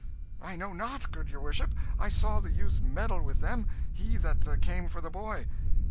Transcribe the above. "I know not, good your worship. I saw the youth meddle with them he that came for the boy."